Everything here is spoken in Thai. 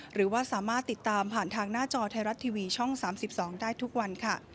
หรือว่าสามารถติดตามผ่านทางหน้าจอไทยรัฐทีวีช่อง๓๒ได้ทุกวันค่ะ